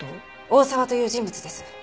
大沢という人物です。